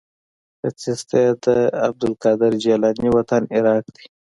ختیځ ته یې د عبدالقادر جیلاني وطن عراق دی.